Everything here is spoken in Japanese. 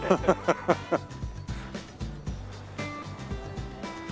ハハハハハ。